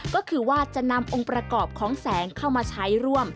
ก็คือว่าจะนำองค์ประกอบของแสงเข้ามาใช้ร่วม